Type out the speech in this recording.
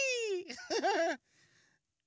フフフ。